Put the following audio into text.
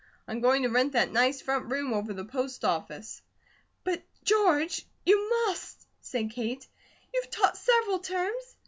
I'm going to rent that nice front room over the post office." "But, George, you must," said Kate. "You've taught several terms.